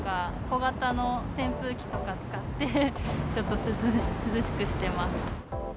小型の扇風機とか使って、ちょっと涼しくしてます。